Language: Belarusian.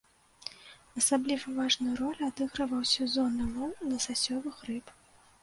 Асабліва важную ролю адыгрываў сезонны лоў ласасёвых рыб.